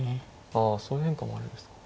あそういう変化もありましたか。